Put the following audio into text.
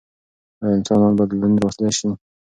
ايا انسانان بدلون راوستلی شي؟